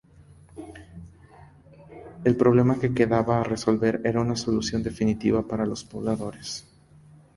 El problema que quedaba a resolver era de una solución definitiva para los pobladores.